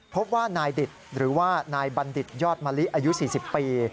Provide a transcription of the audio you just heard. พบว่านายดิตหรือว่านายบัณฑิตยอดมะลิอายุ๔๐ปี